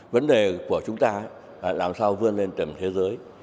vấn đề của chúng ta là làm sao vươn lên tầm thế giới